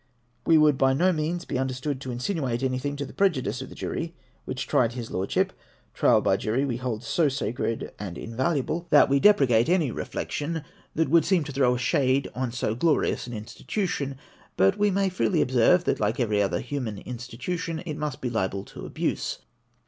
We would by no means be understood to insinuate any thing to the prejudice of the jury which tried his Lordship, Trial by jury we hold so sacred and invaluable that we de 464 APPENDIX XIV. precate any reflection that would seem to throw a shade on so glorious an institution ; but we may freely observe that, like every other human institution, it must be liable to abuse.